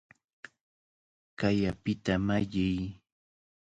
¡Kay apita malliy!